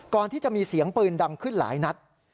ก่อนที่จะมีเสียงปืนดังขึ้นหลายนัด